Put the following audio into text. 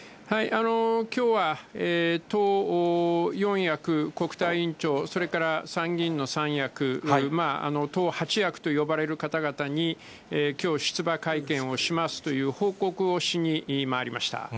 きょうは党４役、国対委員長、それから参議院の３役、党８役と呼ばれる方々に、きょう、出馬会見をしますという報告をしに回りました。